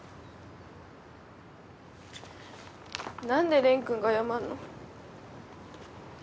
何で漣君が謝んの？